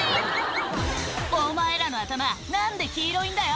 「お前らの頭何で黄色いんだよ」